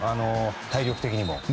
体力的にも。